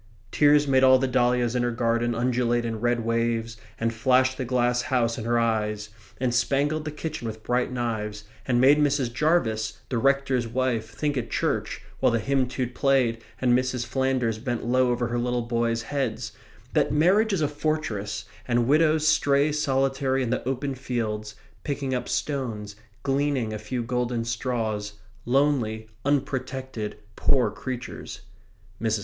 Tears made all the dahlias in her garden undulate in red waves and flashed the glass house in her eyes, and spangled the kitchen with bright knives, and made Mrs. Jarvis, the rector's wife, think at church, while the hymn tune played and Mrs. Flanders bent low over her little boys' heads, that marriage is a fortress and widows stray solitary in the open fields, picking up stones, gleaning a few golden straws, lonely, unprotected, poor creatures. Mrs.